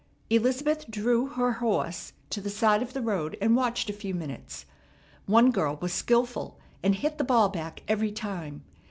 Elizabeth drew her horse to the side of the road, and watched a few minutes. One girl was skilful, and hit the ball back every time.